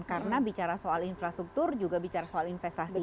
karena bicara soal infrastruktur juga bicara soal investasi